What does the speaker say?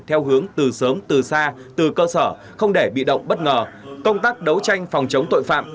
theo hướng từ sớm từ xa từ cơ sở không để bị động bất ngờ công tác đấu tranh phòng chống tội phạm